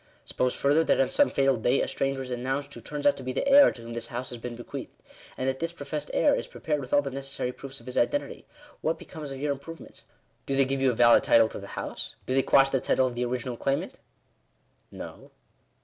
Suppose further, that on some fatal day a stranger is announced, who turns out to be the heir to whom this house has been bequeathed ; and that this professed heir is prepared with all the necessary proofs of his identity : what becomes of your improvements? Do they give you a valid title to the house ? Do they quash the title of the ori ginal claimant?" "No."